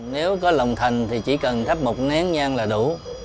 nếu có lòng thành thì chỉ cần thắp một nén nhang là đủ